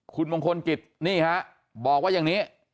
คุณมงคลกิจนี่ฮะบอกว่าอย่างนี้